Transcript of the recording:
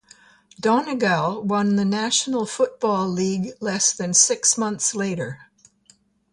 Donegal won the National Football League less than six months later.